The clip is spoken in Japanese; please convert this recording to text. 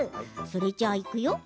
それじゃあ、いくよ！